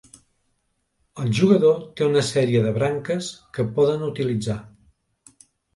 El jugador té una sèrie de "branques" que poden utilitzar.